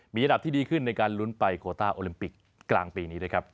มีอันดับที่ดีขึ้นในการลุ้นไปโคต้าโอลิมปิกกลางปีนี้ด้วยครับ